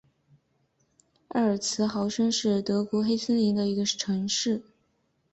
埃尔茨豪森是德国黑森州的一个市镇。